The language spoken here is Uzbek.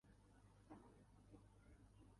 Sovchi ana shu bo‘zboladan bo‘ladi!